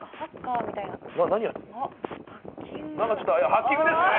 ハッキングですね！